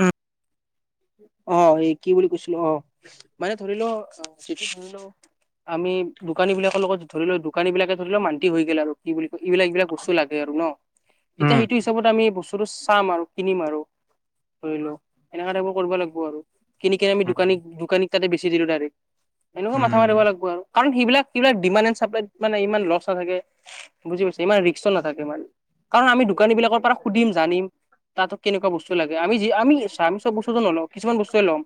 উম, অ 'এই কি বুলি কৈছিলো অ মানে ধৰিল চি ধৰি ল- আমি দোকানী বিলাকৰ লগত ধৰি লৈ দোকানী বিলাকে ধৰি লও মানি হৈ গল আৰু কি বুলি কয় এইবিলাক - এইবিলাক বস্তু লাগে আৰু ন উম, তেতিয়া সেইটো ত, আমি বস্তুতটো চাম আৰু কিনিম আৰু ধৰি লও এনেকা টাইপ কৰিব লাগিব আৰু। কিনি কিনে আমি দোকানীক উম, - দোকানী তাতে বেছি দিলো ডাইৰেক্ট এনেকুৱা মাথা মাৰিব উম। লাগিব আৰু। কাৰণ সেইবিলাক সিলাক চাপ্লাইত মান ইমান লছ নাথাকে বুজি পাইছে ইমান ৰিক্স নাথাকে ই। কাৰণ আমি দোকানী বিলাকৰ পৰা সুধিম জানিম, তাতো কেনেকুৱা বস্তু লাগে আমি যি আমি আমি চব বস্তু। টো নলওঁ কিছুমান বস্তুৱে লম,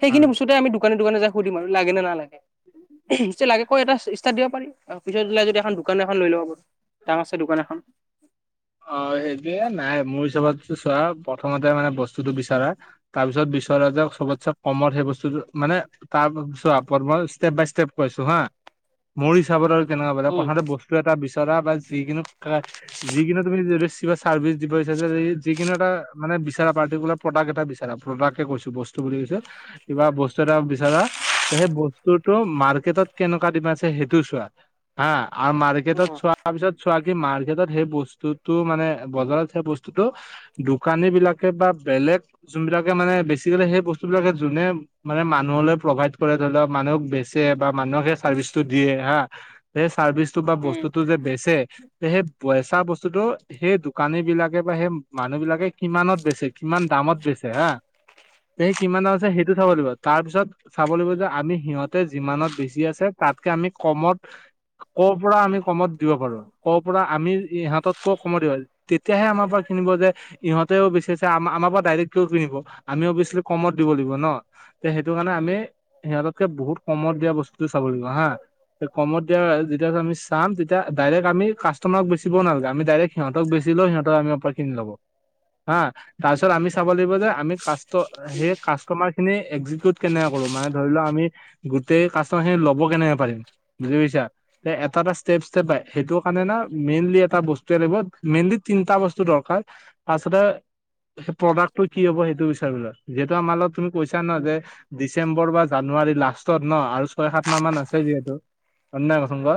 সেই উম। খিনি বস্তু আমি দোকান দোকান যাই সুধিম আৰু লাগে নে নালাগে। যদি লাগে কই এটা ষ্টাৰত দিব পাৰি আৰু পিছতলাই যদি এখন দোকান এখন লৈ ল'ব পাৰো। ডাঙৰছে দোকান এখন। অ' সেইটোয়ে নাই মোৰ হিচাপতো চোৱা প্ৰথমতে মানে বস্তুতটো বিচাৰা- তাৰপিছত বিচৰা যে চবতচে কমত সেই বস্তুটো মানে- তাৰপিছত মই ষ্টেপ বাই ষ্টেপ কৈছো হা, মোৰ হিচাপত আৰু- তেনেকুৱা পাৰা উম। প্ৰথমতে বস্তু এটা বিচৰা বা যিকোনো - যিকোনো তুমি যি চাৰ্ভিছ দিব আহিছে যে কিন্তু এটা মানে বিচাৰা পাৰ্টিকুলাৰ প্ৰডাক্ট এটা বিচাৰা প্ৰডাক্টে কৈছো বস্ত বুলি কৈছো। কিবা বস্তু এটা বিচাৰা সেই বস্তুতটো মাৰ্কেটত কেনেকুৱা দিবা আছে সেইটো চোৱা হা আৰু মাৰ্কেট মাৰ্কেটত চোৱাৰ পিছত চোৱা কি মাৰ্কেটত সেই বস্তুতটো মানে বজাৰত সেই বস্তুতটো দোকানী বিলাকে বা বেলেগ যোনবিলাকে মানে বেছিক সেই বস্তু বিলাকে যোনে মানে মানুহলৈ প্ৰভাইড কৰে ধৰি লওক মানুহক বেচে বা মানুহক সেই চাৰ্ভিচটো দিয়ে হা সেই চাৰ্ভিচটো বা বস্তুতটো যে বেচে সেই বেচা বস্তুতটো সেই দোকানী বিলাকে বা সেই মানুহ বিলাকে কিমানত বেচে কিমান দামত বেচে হা এই কিমান আছে সেইটো চাব লাগিব তাৰ পিছত চাব লাগিব যে আমি সিহঁতে যিমানত বেছি আছে তাতকে আমি কমত কৰ পৰা আমি কমত দিব পাৰো, কৰ পৰা আমি ক- কম দিব তেতিয়াহে আমাৰ পৰা কিনিব যে ইহঁতেও বেছি আছে, আ-আমাৰ পৰা ডাইৰেক্ট কিয় কিনিব, আমি অভিয়াচলি কমত দিব লাগিব ন। তে সেইটো কাৰণে আমি, সিহঁততকে বহুত কমত দিয়া বস্তুটো চাব লাগিব হা। কমত দিয়া যেতিয়া আমি চাম, তেতিয়া ডাইৰেক্ট আমি কাষ্টমাৰক বেছি [unintelligible] দিব নালাগে, আমি ডাইৰেক্ট সিহঁতক বেছি লও সিহঁতক আমিপ পৰা কিনি ল'ব, হা তাৰপিছত আমি চাব লাগিব যে আমি কাষ্ট সেই কা ষ্টমাৰখিনি এক্সিকিউট কেনেকে কৰো মানে ধৰি লও, আমি গোটেই কাষ্টমাৰ খিনি ল'ব কেনেকে পাৰিম। বুজি পুাইছা, এটা-এটা ষ্টেপ-ষ্টেপাই, সেইটো কাৰণে ন মেইনলি এটা বস্তুৱে লাগিব মেইনলি তিনিটা বস্তু দৰকাৰ, তাৰছতে সেই প্ৰডাক্টটো কি হ'ব সেইটো বিচাৰিলা, যিহেতু আমাৰ লগত তুমি কৈছা ন উম যে, ডিচেম্বৰ বা জানুৱাৰী লাষ্ট টত ন আৰু ছয় সাত মাহ মান আছে যিহেতু, [unintelligible] ধ্য কচোন ক [unintelligible]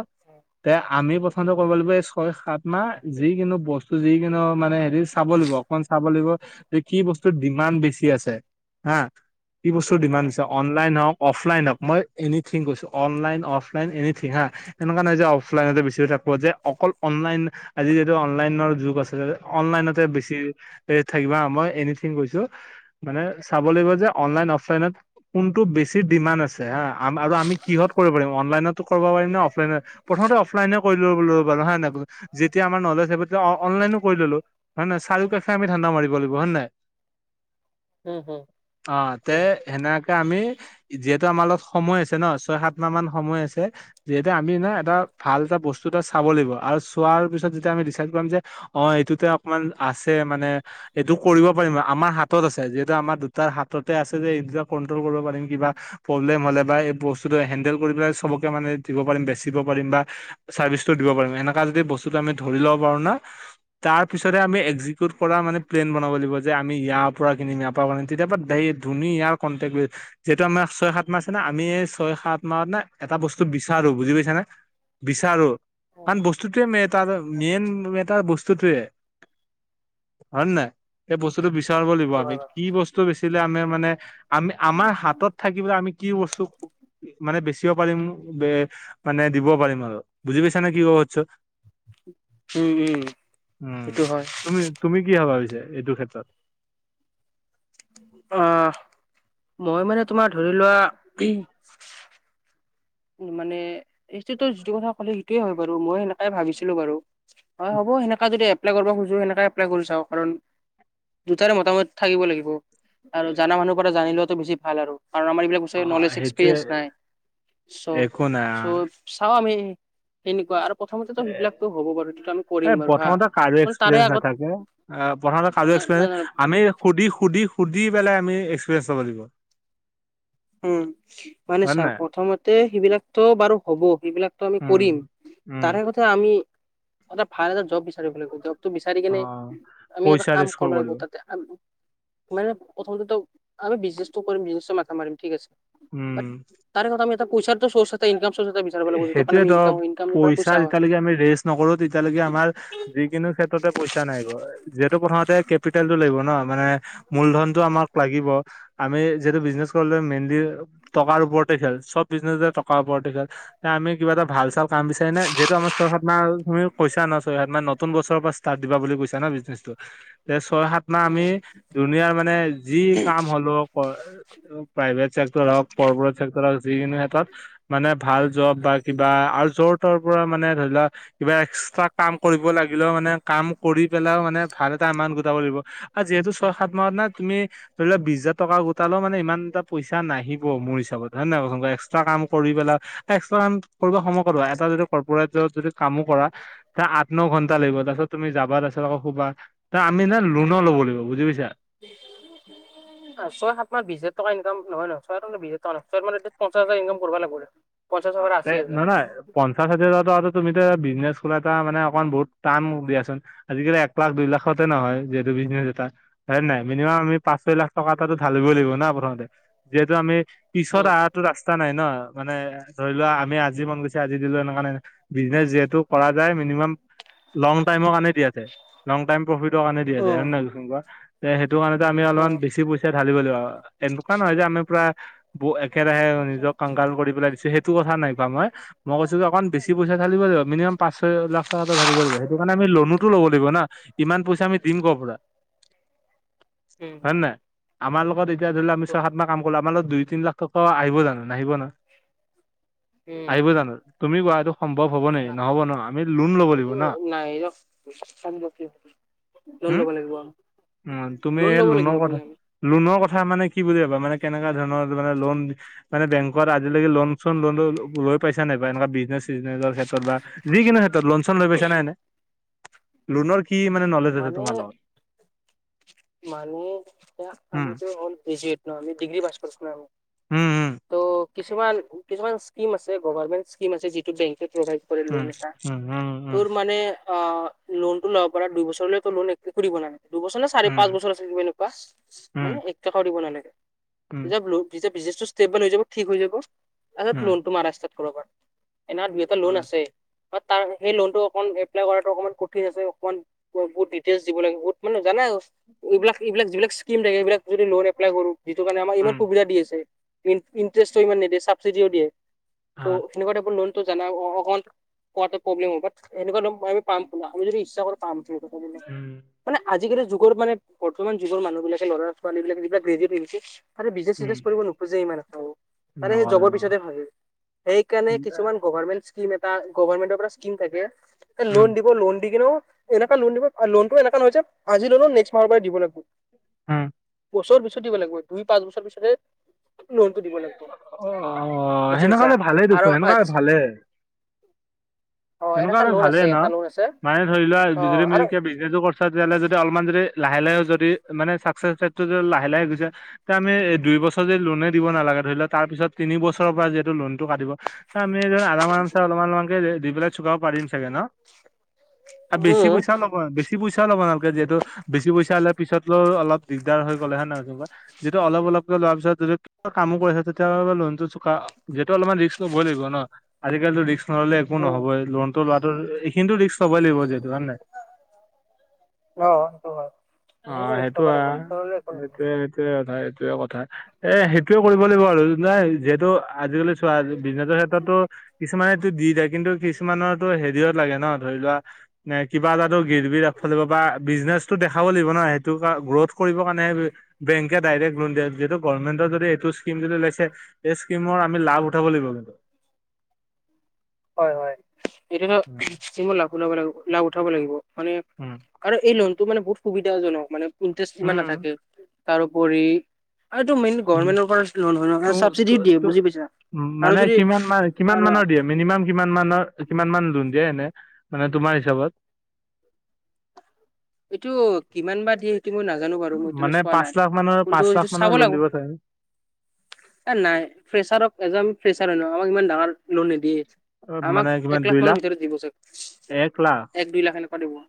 তে আমি প্ৰথমতে কব লাগিব এই ছয় সাত মাহ, যি কিন্তু বস্তু যিকোনো মানে হেৰি চাব লাগিব অকমান চাব লাগিব, যে কি বস্তুৰ ডিমাণ্ড বেছি আছে। হা, কি বস্তুৰ ডিমাণ্ড দিছে, অনলাইন নহওক, অফলাইন হক, মই এনিথিং কৈছো, অনলাইন অফলাইন এনিথিং হা এনেকুৱা নহয় যে অফলাইনতে বিচাৰি থাকো, যে অকল অনলাইন আজি যিহেতু অনলাইনৰ যোগ আছে, অনলাইনতে বেছি ৰে থাকিবা, মই এনিথিং কৈছো। মানে চাব লাগিব যে, অনলাইন অফলাইনত কোনটো বেছি ডিমাণ্ড আছে। হা, আম আৰু আমি কিহত কৰিব পাৰিম, অনলাইনতো কৰিব পাৰিম নে অফলাইনত প্ৰথমতে অফলাইনে কৰি ল'ব [unintelligible] লবাৰু হে নাই যেতিয়া আমাৰ নলেজব অ, অনলাইনো কৰি ললো, ‌হয় নাই চাৰিওকাষে আমি ধান্দা মাৰিব লাগিব, হয় নাই। হুম-হুম। অ, তে সেনেকে আমি যিহেতু আমাৰ লগত সময় আছে ন ছয়, সাত মাহ মান সময় আছে যিহেতু আমি ন এটা ভাল এটা বস্তু এটা চাব লাগিব আৰু চোৱাৰ পিছত যেতিয়া আমি দিচাইদ কম যে, অ' এইটোতে অকমান আছে মানে এইটো কৰিব পাৰিম, আমাৰ হাতত আছে, যিহেতু আমাৰ দুটাৰ হাততে আছে যে এই দুটা কন্ট্ৰল কৰিব পাৰিম কিবা প্ৰব্লেম হলে বা এই বস্তুটো হেডেল কৰি পেলাই চবকে মানে দিব পাৰিম বেচিব পাৰিম বা চাৰ্ভিছটো দিব পাৰিম, এনেকা যদি বস্তুটো আমি ধৰি লম [unintelligible] তাৰপিছত হে এক্সিকিউট পৰা প্লেন বনাব লাগিব। যে আমি ইয়াৰ পৰা কিনম, ইয়াৰ পৰা কাৰম তেতিয়াপা ঢোনি ইয়াৰ কণ্টেক্টে যিহেতু আমাৰ ছয়-সাত মাহ আছে না, আমি এই ছয়- সাত মাহ না, এটা বস্তু বিচাৰো, বুজি পাইছা নে বিচাৰো, উম কাৰণ বস্তুটোৱে ম তাৰ মেইন এটা বস্তুটোৱে, হয়নে নহয়, হেই বস্তুটো বিচা চ [unintelligible] লাগিব, আমি কি বস্তু বেচিলে আমাৰ মানে আমি আমাৰ হাতত থাকিবলৈ আমি কি বস্তু মানে বেচিব পাৰিম বে মানে দিব পাৰিম আৰু, বুজি পাইছা নে কি কব খুজিছোঁ? উম- উম। উম, সেইটো হয় তুমি, তুমি কি ভাবা পিছে এইটো ক্ষেত্ৰত? অ, মই মানে তোমাৰ ধৰি লোৱা উ, মানে এই যিটো কথা কলি সেইটোয়ে হয় বাৰু, মই সেনে এ ভাবিছিলোঁ বাৰু, হয় হ'ব সেনেকা যদি এপ এপ্লাই কৰিব খোজোঁ সেনেকে এপ্লাই কৰি চাওঁ কাৰণ, দুটাৰে মোটামুট থাকিব লাগিব। আৰু জানা মানুহৰ পৰা জনী লোৱাতো বেছি ভাল আৰু, কাৰণ আমাৰ এইবিলাক অ নলেজ সেইটোৱে এক্সপেৰিয়েন্ঞ্চ নাই। চ একো নাই [unintelligible] চাও আমি সেনেকুৱা আৰু প্ৰথমতেতো সেইবিলাকতো হ'ব বাৰু সেইটোটো আমি এ কৰিম বাৰু হা, কিন্তু তাৰে আগত অ, প্ৰথমতে কাজ [unintelligible] এক্সপৰিয়েঞ্চ আমি সুধি-সুধি-সুধি পেলাই আমি এক্সপিৰিয়েঞ্চ লব লাগিব। উম, মানে নে চা নাই প্ৰথমতে সেইবিলাকতো বাৰু হ'ব, আও সেইবিলাক [unintelligible] উম কৰিম, উম তাৰে কথা আমি এটা ভাল এটা জব বিচাৰিব লাগিব। জবটো বিচাৰি অ কেনে আমি এটা কাম কৰিব লাগিব তাতে আম মানে প্ৰথমতে আমি বিজনেচটো কৰিম বিজনেচটো মাথা মাৰিম ঠিক আছে। বাত উম তাৰে কথা আমি এটা কৈছাত সেইটোয়ে ধ ইনকাম ইনকামৰ পৰা পইচা যেতিয়ালৈকে আমি ৰেজ নকৰোঁ তেতিয়ালৈকে আমাৰ হে যিকোনো ক্ষেত্ৰতে পইচা নাহিব, যিহেতু প্ৰথমতে কেপিটেলটো লাগিব ন? মূ্লধনটো আমাক লাগিব, আমি যিহেতু বিজনেজ কৰিলে মেইনলী টকাৰ ওপৰতে খেল, চব বিজনেজে টকাৰ ওপৰতে খেল। আমি কিবা এটা ভাল চা কাম বিচাৰি না যিহেতু আমাৰ ছয় - সাত মাহ আৰু তুমি কৈছা নহয় ছয় - সাত মাহ নতুন বছৰৰ পৰাষ্টাৰ্ট দিবা বুলি কৈছা ন বিজনেছটো? তে ছয়- সাত মাহ আমি হয় দুনিয়াৰ মানে যি কাম হলও পৰ প্ৰাইভেট চেক্টৰ হওক কৰ্পৰেট চেক্টৰ হওক যিকিনি এটাত মানে ভাল জব বা কিবা আৰু যৰ তৰ পৰা মানে ধৰি লোৱা কিবা এক্সট্ৰা কাম কৰিব লাগিলেও মানে কাম কৰি পেলাইও মানে ভাল এটা এমান্ত গোটাব লাগিব। আৰু যিহেতু ছয় - সাত মাহত না তুমি ধৰি লোৱা বিশ হাজাৰ টকা গোটালে মানে ইমান এটা পইচা নাহিব মোৰ হিচাপত হয় নহয় কচোণ? টা কাম কৰি পেলাই এক্সট্ৰা কাম কৰিব সময় কত এটা যদি কৰ্পৰেট যবত যদি কামো কৰা তা আঠ, ন ঘণ্টা লাগিব তাৰপিছত তুমি যাবা তাৰপিছত আকৌ হুবা, আমি নহৈ লোণো ল'ব লাগিব বুজি পাইছা? [unintelligible] ছয়- সাত মাহ বিচ হাজাৰ টকা ইনকাম নহয় ন। [unintelligible] বিশছ হাজৰ টকা [unintelligible] পঞ্চাছ হাজাৰ ইনকাম কৰিব লাগিব। পঞ্চাছৰ অ পৰা তে, আশী হাজাৰ নহয়-নহয় পঞ্চাশ হাজাৰ টকাটো আৰু তুমিটো বিজনেছ কৰা এটা মানে অকণমান বহুত টান মুভ দিয়াচোন। আজিকালি এক লাখ, দুই লাখতে নহয় যিহেতু বিজনেছ এটা। হয় নে নাই মিনিমাম আমি পাঁচ ছয় লাখ টকা এটা টো ঢালিবই লাগিব না প্ৰথমতে, যিহেতু আমি পিছত উম। আহাটো ৰাস্তা নাই ন মানে ধৰি লোৱা আমি আজি মন গৈছে আজি দিলো এনেকা নহয় ন। বিজনেচ যিহেতু কৰা যায় মিনিমাম লং টাইমৰ কাৰণে দি আছে, লং টাইম প্ৰফিটৰ কাৰণে দি আছে উম হয় নে নাই কোৱা? যে সেইটো কাৰণেত আমি উম। অলপমান বেছি পইচা ঢালিব লাগিব, আৰু এনেকুৱা নহয় যে আমি পৰা ব একেৰাহে নিজক কাংগাল কৰি পেলাই দিছে, সেইটো কথা নাই পোৱা মই। মই কৈছো যে অকণ বেছি পইচা ঢালিব লাগিব, মিনিমাম পাঁচ - ছয় লাখ টকা এটো ঢালিব লাগিব সেইটো কাৰণে আমি লনোটো ল'ব লাগিব না? ইমান পইচা আমি দিম কৰ পৰা? উ [inaudible] হয় নাই? আমাৰ লগত এতিয়া ধৰি লোৱা আমি ছয় - সাত মাহ কাম কৰিলেও আমাৰ লগত দুই- তিনি লাখ টকা আহিব জানো নাহিব ন? আহিব জানো? তুমি কোৱা, এটো ন লাগিব এইটো ন নাই এই [unintelligible] লোন উম ল'ব লাগিব অহ', উম, তুমি লোন এই ল'ব লোনৰ লাগিব আপুনি। কথা লোনৰ কথা মানে কি বুলি ভাবা, মানে কেনেকুৱা ধৰণৰ মানে লোন মানে বেংকত আজিলৈকে লোন চোন লোন লৈ পাইছা নাই বা এনেকুৱা বিজনেছ - চিজনেছৰ ক্ষেত্ৰত বা যিকোনো ক্ষেত্ৰত লোন - চন লৈ পাইছ নাই এনে? লোনৰ কি নলেজ আছে মানে, তোমাৰ লগত মানে এতিয়া উম আমি যে অল বিজিত আমি ডিগ্ৰী পাছ কৰিছো না আমি, উম ত' কিছুমান কিছুমান স্কীম আছে গভাৰ্মেন্ট স্কীম আছে, যিটো বেংকে প্ৰভাই কৰে উম লোণ এটা, উম উম তোৰ মানে আ লোনটো ল'ব পৰা দুইবছৰলৈতো লোন একো কৰিব নালাগে দুবছৰ নে, চাৰি উম পাঁচ বছৰ তুজ এনেকুৱা উম মানে একটকাও দিব নালাগে। উম'। লো যেতিয়া বিজনেছটো ষ্টেবুল হৈ যাব ঠিক হৈ যাব, উম তাৰপিছত উম লোনটো মাৰা ষ্টাৰ্ত কৰিব পাৰা, এনা বি তা লোন আছে, তাৰ সেই লোনটো অকন এপ্লাই কৰাটো অকমান কঠিন আছে অকমান বহুত ডিটেইল দিব লাগিব, বহু মানে জানাই এইবিলাক এইবিলাক যিবিলাক স্কীম থাকে, সেইবিলাক যদি লোন এপ্লাই কৰো, যিটো কাৰণে আমাৰ ইমান উম সুবিধা দি আছে। ইন', - ইণ্টাৰেষ্টও ইমান নিদিয়ে চাবচিডিও দিয়ে', হা', সেনেকা টাইপৰ লোনটো জানা, অ', -অ', -অকমান পোৱাতে প্ৰব্লেম হ'ব বাট এনেকুৱা নহয় আমি পাম তোমাৰ আমি যদি ইচ্ছা কৰোঁ', কাম ঠিকে কৰোঁ', উম', মানে আজিকালি যুগৰ মানে বৰ্তমান যুগৰ মানুহবিলাকে ল'ৰা-ছোৱালী বিলাকে যিবিলাক', বিজনেছত ইণ্টাৰেষ্ট, খালি বিজনেছ - উম চজনেছ কৰিব নোখোজে ইমান এটাও, মানে হে নকৰে জবৰ নকৰে পিছতে থাকে', সেইকাৰণে কিছুমান গভমেণ্ট', স্কিম এটা, গভমেণ্টৰ মানে স্কিম থাকে উম লোন দিব, লোন দি কিনেও', এনেকা লোন দিব, অ', লোনটো এনেকা নহয় যে আজি ললো নেক্স মাহৰ পৰা দিব লাগিব', উম বছৰ পিছতে দিব লাগিব, দুই - পাঁচ বছৰ পিছতে', লোনটো দিব লাগিব, অ বুজি সেনেকুৱা পাইছা হ'লে ভালেই আৰু দেখোন সেনেকুৱা হ'লে আচ্ছা', ভালে অ এনেকুৱা এনেকা হ'লে লোন ভালে আছে ন, এটা লোন আছে মানে ধৰি ল', ধৰা অ দুজনে আৰু মিলকে বিজনেছো কৰছা, তেতিয়া হ'লে যদি অলপমান যদি লাহে-লাহে যদি মানে চাব', চেফ চাইডটো যে লাহে-লাহে গৈছা, তে আমি দুই বছৰ যদি লোনে দিব নালাগে, ধৰি লোৱা তাৰ পিছত', তিনি বছৰৰ পৰা যিহেতু লোন টো কাটিব, তাৰ আমি যে আৰাম - আৰামছে অলপমান - অলমানকে যে দি পেলাই', চোকাব পাৰিম চাগে ন, তাত বেছি উম। পইচাও ল'ব, বেছি পইচাও ল'ব নালগে যিহেতু', বেছি পইচা হ'লে পিছতও অলপ দিগদাৰ হৈ গ'লে হে নহয় যেনেবা', যিটো অলপ - অলপকে লোৱাৰ পিছত যদি কিবা কামো কৰিছে তেতিয়া হ'লে বা লোনটো চোকা', যিহেতু অলপমান ৰিক্স ল'বই লাগিব ন, আজিকালিতো ৰিক্স নললে একো উম নহ'বই লোনটো লোৱাটো এ ইষ্ট', অ', -অ', -অ', অ সেইটো আহ', সেইটোৱে', এইটোয়ে কথা - এইটোয়ে কথা, এ সেইটোৱে কৰিব লাগিব আৰু নাই যিহেতু আজিকালি', চোৱা আজি, বিজনেছৰ ক্ষেত্ৰতো কিছুমানে', এটো দি যায় কিন্তু কিছুমানৰতো হেৰিয়ত লাগে ন ধৰি লোৱা', নে কিবা এটা তটো গিৰবী ৰাখিব লাগিব বা বিজনেচটো দেখা', খাব লাগিব নহয় সেইটো কাৰ গ্ৰোথ কৰিবৰ কাৰণে হে', বেংকে ডাইৰেক্ট লোন দিয়া যিহেতু গভমেণ্টৰ যদি এইটো স্কীম যদি লৈছে', এই স্কীমৰ আমি লাভ উঠাব লাগিব কিন্তু', হয়', - হয়', এতিয়াটো উম স্কিম লাভ উলাব লাগিব লাভ উঠাব লাগিব মানে', উম', আৰু এই লোনটো মানে বহুত সুবিধাজনক, মানে ইন্টাৰেষ্ট ইমান উম নাথাকে তাৰোপৰি', আৰু এইটো মেইন উম গভমেন্টৰ পৰা লোন হয় ত ন, চাবচিডিও দিয়ে ত বুজি পাইছা', উম', আৰু মানে যদি কিমান মান কিমান আৰু মানৰ দিয়ে? মিনিমাম কিমান মানৰ কিমান মান লোন দিয়ে, এনে মানে তোমাৰ হিচাপত', এইটো কিমান বা দিয়ে সেইটো মই নাজানোঁ বাৰু, মই সেইতো মানে চোৱা পাঁচ নাই লাখ মানৰ কোনটো পাঁচ লাখ সেইটো চাব মানৰ লোন দিব লাগিব', চাগে এই নাই ফ্ৰেচাৰক, এজন আমি ফ্ৰেচাৰ ন আমাক ইমান ডাঙৰ লোন নিদিয়ে', অ, আমাক মানে কিমান এক লাখ দুই মানৰ ভিতৰত দিব চাগে, এক লাখ এক - দুই লাখ এনেকুৱা দিব',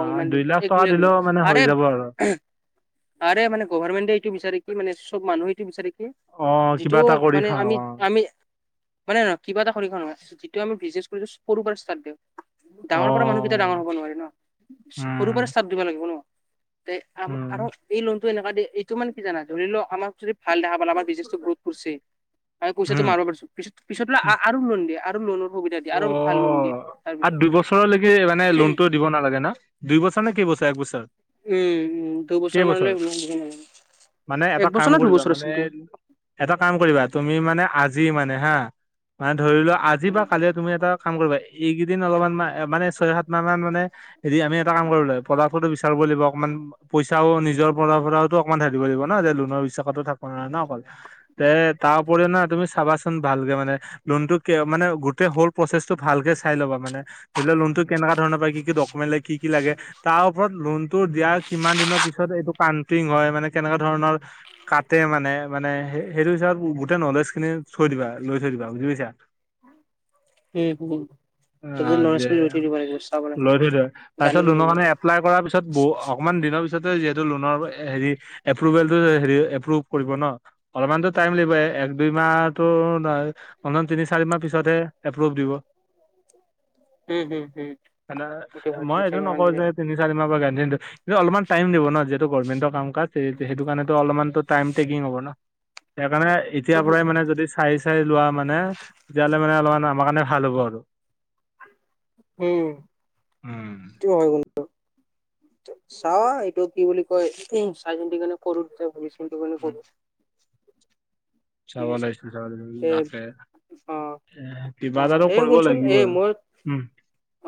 অ', ইমান দিব দুই লাখ এক টকা দিব দিলেও মানে হৈ আৰে যাব আৰু', আৰে মানে গভৰ্মেণ্টে এইটো বিচাৰি কি মানে চব মানুহে এটো বিচাৰে কি', অ কিবা যিটোও এটা কৰি মানে খাওঁ আমি অ - আমি', মানে নহয় কিবা এটা খৰি খোৱা নহয়, যিটো আমি বিজনেছ কৰোঁ সৰু পৰা দি অ ডাঙৰ পৰা মানুহবিলা', ফটকে ডাঙৰ হ'ব নোৱাৰি ন, সৰু পৰা উম ষ্টাৰ্ট দিব লাগিব ন, এই আম', - আৰু উম এই লোনটো', লোনটো এনেকুৱা দিয়ে এইটো মানে কি জানা ধৰি লও আমাক', যদি ভাল দেখা পালা আমাৰ বিজনেছটো গ্ৰোথ কৰছে, অহ', পইচা তো হম মাৰব পাৰছোঁ', পিছত- পিছত বুলে আ', -আ', -আৰু লোন দিয়ে আৰু লোনৰ সুবিধা দিয়ে অ আৰু ভাল লোন দিয়ে', তাৰপিছত আৰু দুইবছৰলৈকে মানে লোনটো দিব নালাগে ন, দুই বছৰ নে কেইবছৰ একবছৰ', উম', - উম', দুবছৰ কেইবছৰ মানলৈ লোন দিব নালাগে', মানে এটা কাম কৰিবা মানে এটা কাম কৰিবা তুমি মানে আজি মানে হা', মানে ধৰি লোৱা আজি বা উম কালি তুমি এটা কাম কৰিবা এইকেইদিন অলপমান মা', - মানে ছয়- সাত মাহ মান মানে', এদিয়া আমি এটা কাম কৰিব লাগিব ফলাফলটো বিচাৰিবই লাগিব অকণমান পইচাও নিজৰ পৰা পৰা পৰাতো অকণমান ধালিব লাগিব ন যে লোনৰ বিশ্বাসটো থাকিব নোৱাৰি ন অকল তে তাৰ উপৰি না তুমি চাবাচোন ভালকে মানে লোন টো মানে গোটেই হৌল প্ৰচেছটো ভালকে চাই ল'বা মানে ধৰি লোৱা লোনটো কেনেকা ধৰণৰ বা কি কি ডকুমেণ্ট লাগে কি লাগে তাৰ ওপৰত লোনটো দিয়াৰ কিমান দিনৰ পিছত এইটো কানটিং হয় মানে কেনেকুৱা ধৰণৰ কাটে মানে মানে সে সেইটো হিচাপত গোটেই নলেজ খিনি থৈ দিবা লৈ থৈ দিবা বুজি পাইছা সে হো [unintelligible] অ যে লাগিব লৈ থৈ দে তাৰপিছত জানিব লুনৰ লাগিব কাৰণে এপ্লাই কৰাৰ পিছত ব অকমান দিনৰ পিছতে যিহেতু লোনৰ হেৰি এপ্ৰভেলটো হে এপ্ৰভ কৰিব ন অলপমানতো টাইম লাগিব এক দুই মাহটো নাই অনধন তিনিচাৰি মাহ পিছতহে এপ্ৰোভ দিব হো হো হো সেন্দা মই এইটো নকওঁ যে তিনি চাৰি মাহ পৰা গাৰান্তি কিন্তু অলমান টাইম দিব ন যিহেতু গভমেন্ট কাম কাজ সেইটো কাৰণেত অলপমান ত টাইম টেকিং হব ন সেই কাৰণে এতিয়া পৰাই মানে যদি চাৰি চাৰি লোৱা মানে তেতিয়াহলে মানে অলপমান আমাৰ কাৰণে ভাল হ'ব আৰু। উম। উম। ক হয় কোনটো [unintelligible] চা এইটো কি বুলি কয় চাইচিতি মানে কৰুতে। [unintelligible] চাব আছে লাগিছিল চাব এ তাকে অ এ অ কিবা এটাটো দে কৰিব শুনচোন এ লাগিবই। মোৰ উম।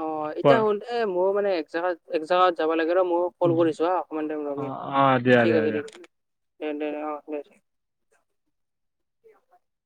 অ এতিয়া কোৱা হল দে মোৰ মানে এক জেগাত এক জেগাত যাব লাগে ৰ মোক। ফোন কৰিছো হা অকমান টাইম ৰমিয়া, অ', অ', দিয়া দিয়া ঠিক দিয়া। আছে ঠিক আছে দে দে অ দে।। [inaudible]